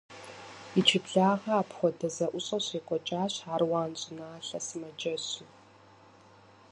Иджыблагъэ апхуэдэ зэӀущӀэ щекӀуэкӀащ Аруан щӀыналъэ сымаджэщым.